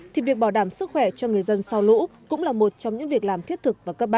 thì việc bảo đảm sức khỏe cho người dân sau lũ